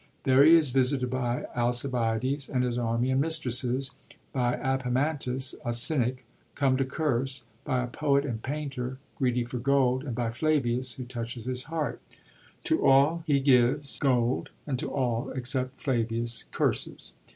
There he is visited by Alcibiades and his army and mistresses; by Apemantus, a cynic, come to curse ; by a poet and painter, greedy for gold ; and by Flavius, who touches his heart« To all be gives 139 SHAKSPERE'S THIRD PERIOD PLAYS gold, and to all, except Flavius, curses.